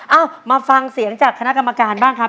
เอามาฟังเสียงจากคณะกรรมการบ้างครับ